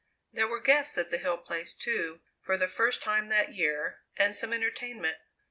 There were guests at the Hill Place, too, for the first time that year, and some entertainment.